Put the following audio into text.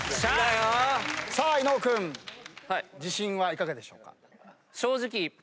さあ伊野尾君自信はいかがでしょうか？